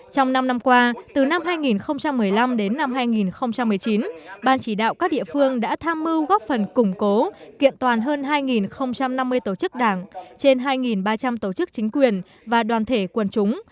trong năm năm qua từ năm hai nghìn một mươi năm đến năm hai nghìn một mươi chín ban chỉ đạo các địa phương đã tham mưu góp phần củng cố kiện toàn hơn hai năm mươi tổ chức đảng trên hai ba trăm linh tổ chức chính quyền và đoàn thể quần chúng